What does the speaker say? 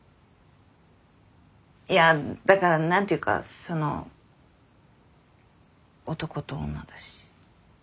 いやだから何ていうかその男と女だし。